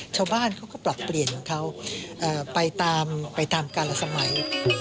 ชาวบ้านเขาก็ปรับเปลี่ยนเขาไปตามการสมัย